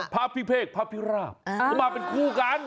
พระพิเภกพระพิราบก็มาเป็นคู่กัน